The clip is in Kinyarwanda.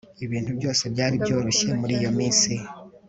ibintu byose byari byoroshye muri iyo minsi